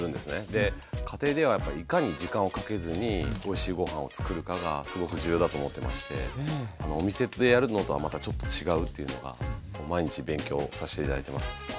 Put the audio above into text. で家庭ではやっぱりいかに時間をかけずにおいしいごはんを作るかがすごく重要だと思ってましてお店でやるのとはまたちょっと違うというのが毎日勉強さして頂いてます。